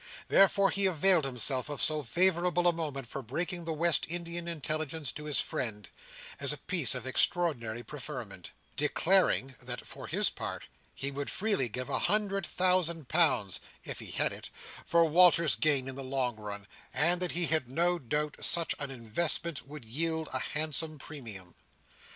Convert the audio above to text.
Therefore he availed himself of so favourable a moment for breaking the West Indian intelligence to his friend, as a piece of extraordinary preferment; declaring that for his part he would freely give a hundred thousand pounds (if he had it) for Walter's gain in the long run, and that he had no doubt such an investment would yield a handsome premium.